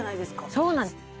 そうなんです。